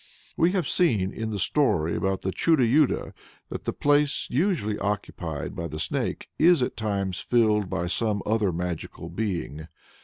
We have seen, in the story about the Chudo Yudo, that the place usually occupied by the Snake is at times filled by some other magical being.